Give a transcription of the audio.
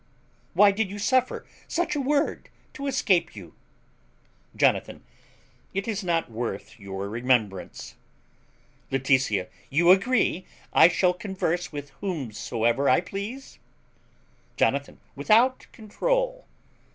Why did you suffer such a word to escape you? Jonathan. It is not worth your remembrance. Laetitia. You agree I shall converse with whomsoever I please? Jonathan. Without controul.